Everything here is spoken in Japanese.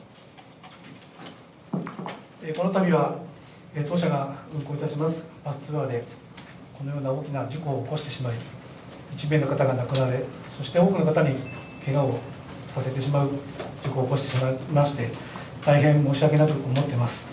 このたびは当社が運行いたしますバスツアーで、このような大きな事故を起こしてしまい、１名の方が亡くなられ、そして多くの方にけがをさせてしまう事故を起こしてしまいまして、大変申し訳なく思ってます。